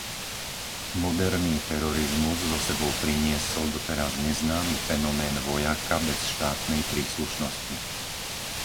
Moderný terorizmus so sebou priniesol doteraz neznámy fenomén vojaka bez štátnej príslušnosti.